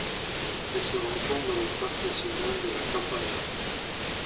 Elle se rencontre dans le parc national La Campana.